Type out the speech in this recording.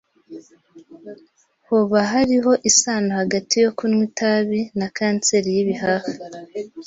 Hoba hariho isano hagati yo kunywa itabi na kanseri y'ibihaha?